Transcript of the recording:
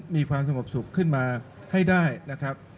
มีความสงบสุขขึ้นมาให้ได้นะครับ